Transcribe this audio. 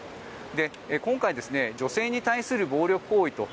今回、女性に対する暴力行為